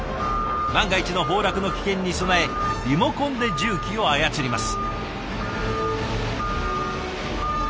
万が一の崩落の危険に備えリモコンで重機を操ります。